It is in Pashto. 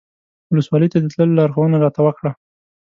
ولسوالۍ ته د تللو لارښوونه راته وکړه.